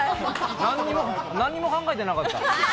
何も考えてなかった。